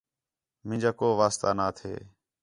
مینجا کو واسطہ نا تھے